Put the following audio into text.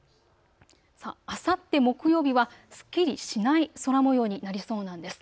あさって木曜日はすっきりしない空もようになりそうなんです。